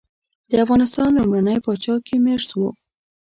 د افغانستان لومړنی پاچا کيومرث وه.